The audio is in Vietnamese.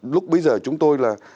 lúc bây giờ chúng tôi là